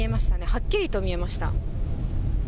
はっきりと見えました。